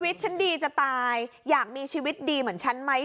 ฉันดีจะตายอยากมีชีวิตดีเหมือนฉันไหม